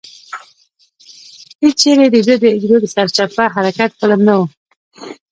هېچېرې دده د حجرو د سرچپه حرکت فلم نه و.